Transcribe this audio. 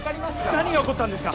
何が起こったんですか？